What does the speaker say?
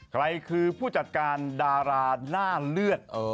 ใครคือผู้จัดการดาราหน้าเลือด